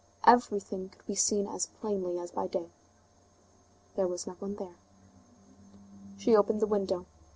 Everything could be seen as plainly as by day. There was no one there. She opened the window.